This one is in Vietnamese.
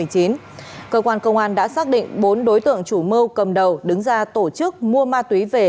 hoàn công an đã xác định bốn đối tượng chủ mâu cầm đầu đứng ra tổ chức mua ma túy về